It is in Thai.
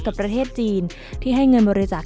ประเทศจีนที่ให้เงินบริจาค